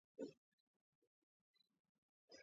მალე აჯანყებაც ჩაახშეს.